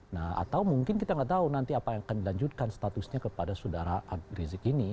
nah atau mungkin kita nggak tahu nanti apa yang akan dilanjutkan statusnya kepada sudara rizik ini